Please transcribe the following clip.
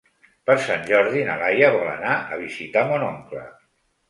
Per Sant Jordi na Laia vol anar a visitar mon oncle.